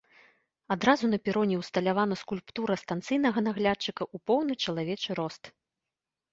Адразу на пероне ўсталявана скульптура станцыйнага наглядчыка ў поўны чалавечы рост.